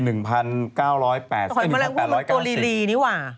หอยแมลงผู้ลดตัวลีนี่หว่า